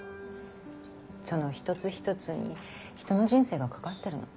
その一つ一つに人の人生がかかってるの。